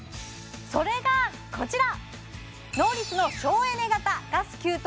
それがこちら！